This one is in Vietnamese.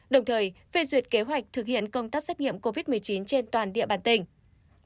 đồng thời phê duyệt kế hoạch thực hiện công tác xét nghiệm covid một mươi chín trên toàn địa bàn tỉnh